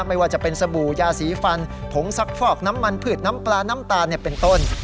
ไม่ว่าจะเป็นสบู่ยาสีฟันผงซักฟอกน้ำมันพืชน้ำปลาน้ำตาลเป็นต้น